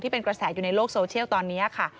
เป็นกระแสอยู่ในโลกโซเชียลตอนนี้ค่ะ